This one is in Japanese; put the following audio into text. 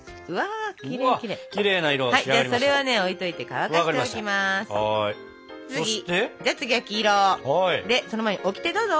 そして？じゃあ次は黄色。でその前にオキテどうぞ！